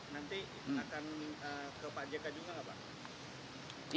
nanti akan ya